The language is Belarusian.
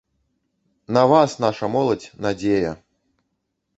На вас, наша моладзь, надзея!